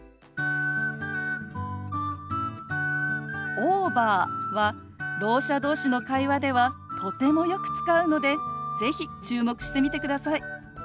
「オーバー」はろう者同士の会話ではとてもよく使うので是非注目してみてください。